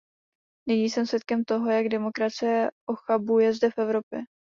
Nyní jsem svědkem toho, jak demokracie ochabuje zde v Evropě.